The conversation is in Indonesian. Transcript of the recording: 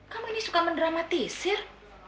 kamu ini suka mendramatisir